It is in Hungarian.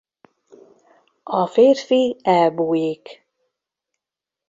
A férfi elbújik.